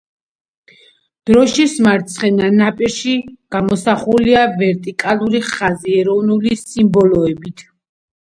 დროშის მარცხენა ნაპირში გამოსახულია ვერტიკალური ხაზი ეროვნული სიმბოლოებით.